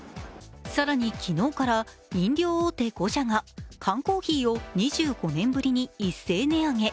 更に、昨日から飲料大手５社が缶コーヒーを２５年ぶりに一斉値上げ。